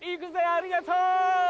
ありがとう！